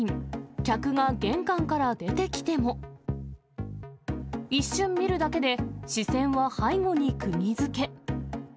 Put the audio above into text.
客が玄関から出てきても、一瞬見るだけで、視線は背後にくぎづけ。